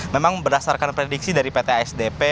memang berdasarkan prediksi dari pt asdp